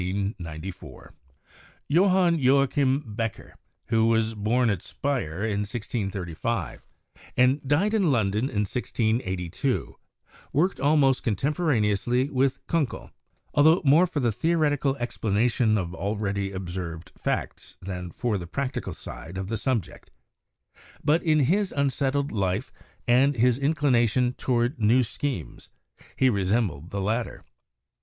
ioo CHEMISTRY Johann Joachim Becher, who was born at Speyer in 1635 and died in London in 1682, worked almost contem poraneously with Kunckel, altho more for the theoreti cal explanation of already observed facts than for the practical side of the subject; but in his unsettled life and his inclination toward new schemes, he resembled the lat ter.